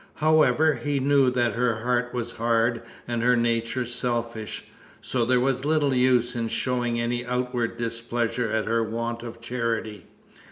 However, he knew that her heart was hard and her nature selfish; so there was little use in showing any outward displeasure at her want of charity.